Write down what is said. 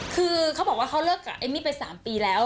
คือเขาบอกว่าเขาเลิกกับเอมมี่ไป๓ปีแล้ว